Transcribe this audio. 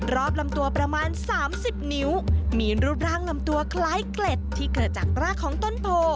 ลำตัวประมาณ๓๐นิ้วมีรูปร่างลำตัวคล้ายเกล็ดที่เกิดจากรากของต้นโพ